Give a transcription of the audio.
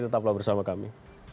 tetaplah bersama kami